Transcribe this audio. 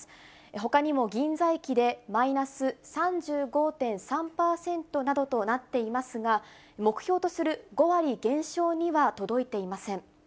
ほかにも銀座駅でマイナス３５．３％などとなっていますが、目標とする５割減少には届いていません。